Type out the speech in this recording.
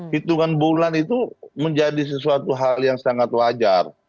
hitungan bulan itu menjadi sesuatu hal yang sangat wajar